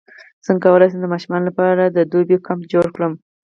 څنګه کولی شم د ماشومانو لپاره د دوبي کمپ جوړ کړم